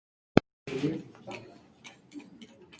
Durante la Edad Media Osnabrück perteneció a la Liga Hanseática.